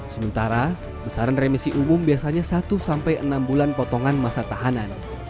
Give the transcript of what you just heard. sementara besaran remisi umum biasanya satu sampai enam bulan potongan masa tahanan